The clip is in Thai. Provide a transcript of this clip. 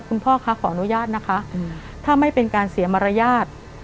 พ่อคะขออนุญาตนะคะถ้าไม่เป็นการเสียมารยาท